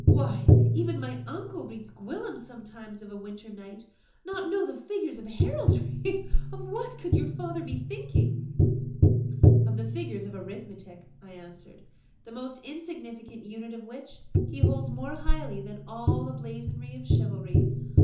Why, even my uncle reads Gwillym sometimes of a winter night Not know the figures of heraldry! of what could your father be thinking?" "Of the figures of arithmetic," I answered; "the most insignificant unit of which he holds more highly than all the blazonry of chivalry.